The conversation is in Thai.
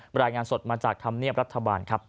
รายงานสดมาจากธรรมเนียบรัฐบาลครับ